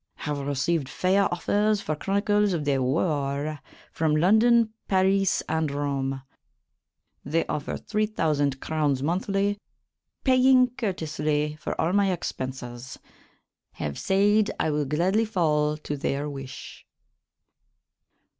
Have received faire offers for chronycles of the warre from London, Parys, and Rome; they offer three thousand crounes monthly, payeing curtesly for all my expenses. Have sayd I will gladly fall to their wish.